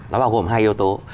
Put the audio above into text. nó bao gồm hai yếu tố